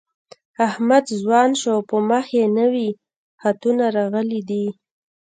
احمد ځوان شو په مخ یې نوي خطونه راغلي دي.